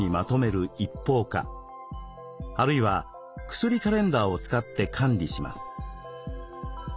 あるいは薬カレンダーを使って管理します。